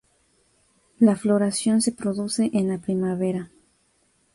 La floración se produce en la primavera.